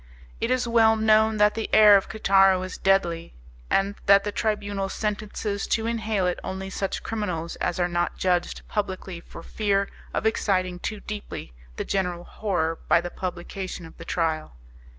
It is well known that the air of Cataro is deadly, and that the Tribunal sentences to inhale it only such criminals as are not judged publicly for fear of exciting too deeply the general horror by the publication of the trial.